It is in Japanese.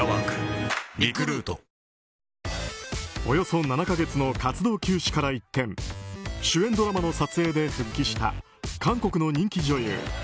およそ７か月の活動休止から一転主演ドラマの撮影で復帰した韓国の人気女優